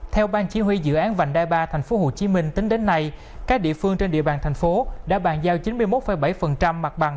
theo ban chỉ huy dự án vành đai ba tp hcm tính đến nay các địa phương trên địa bàn thành phố đã bàn giao chín mươi một bảy mặt bằng